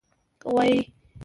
🐂 غوایی